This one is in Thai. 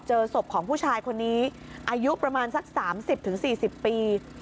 เจอศพของผู้ชายคนนี้อายุประมาณสัก๓๐๔๐ปี